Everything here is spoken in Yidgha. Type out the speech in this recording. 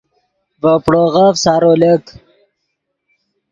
ڤے پڑوغف سارو لک